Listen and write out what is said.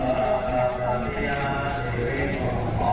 เมื่อวานแบงค์อยู่ใช่ไหม